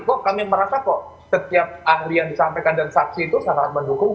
kok kami merasa kok setiap ahli yang disampaikan dan saksi itu sangat mendukung